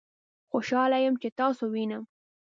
خوشحاله یم چې تاسو وینم